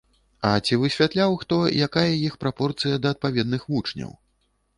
А ці высвятляў хто, якая іх прапорцыя да адпаведных вучняў?